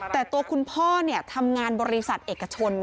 แต่ตัวคุณพ่อทำงานบริษัทเอกชน